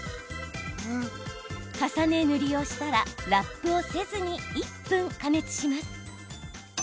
重ね塗りをしたらラップをせずに１分加熱します。